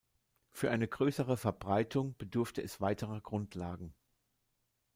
Für eine größere Verbreitung bedurfte es weiterer Grundlagen.